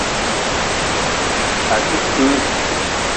A te touii.